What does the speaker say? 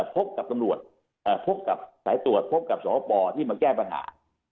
พบกับตำรวจพบกับสายตรวจพบกับสวปที่มาแก้ปัญหา